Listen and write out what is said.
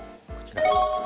こちら。